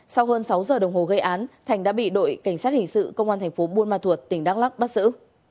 sau hơn sáu h đồng hồ gây án thành đã bị đội cảnh sát hình sự công an tp buôn ma thuột tỉnh đắk lắc bắt giữ